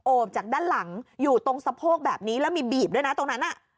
บจากด้านหลังอยู่ตรงสะโพกแบบนี้แล้วมีบีบด้วยนะตรงนั้น